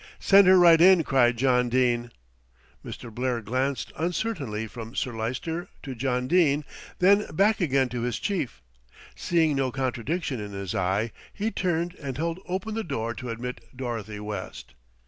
"Send her right in," cried John Dene. Mr. Blair glanced uncertainly from Sir Lyster to John Dene, then back again to his chief. Seeing no contradiction in his eye, he turned and held open the door to admit Dorothy West.